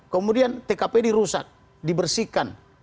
kemudian tkp dirusak dibersihkan